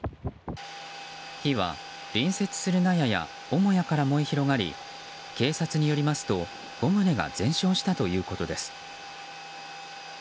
火は隣接する納屋や母屋から燃え広がり警察によりますと５棟が全焼したということです。